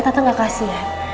tante gak kasih ya